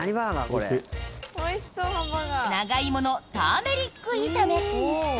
長芋のターメリック炒め。